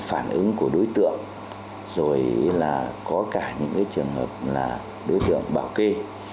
phản ứng của đối tượng rồi là có cả những trường hợp là đối tượng bảo kê